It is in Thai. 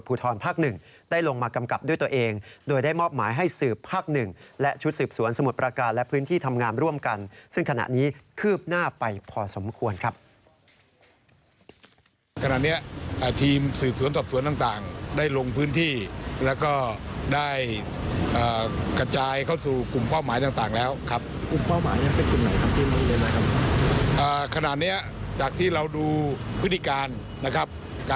ทรภาคหนึ่งได้ลงมากำกับด้วยตัวเองโดยได้มอบหมายให้สืบภาคหนึ่งและชุดสืบสวนสมุทรประการและพื้นที่ทำงานร่วมกันซึ่งขณะนี้คืบหน้าไปพอสมควรครับ